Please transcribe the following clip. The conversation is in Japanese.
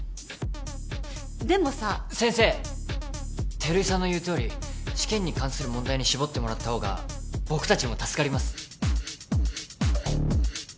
照井さんの言うとおり試験に関する問題に絞ってもらった方が僕たちも助かります。